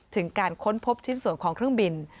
ถึงการค้นพบชิ้นส่วนของเครื่องบิน